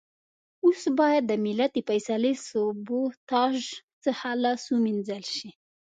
اوس بايد د ملت د فيصلې سبوتاژ څخه لاس و مينځل شي.